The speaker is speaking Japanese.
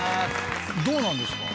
どうなんですか？